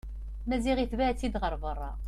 Maziɣ itbeɛ-itt-id ɣer berra.